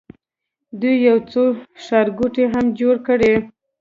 دوی یو څو ښارګوټي هم جوړ کړي.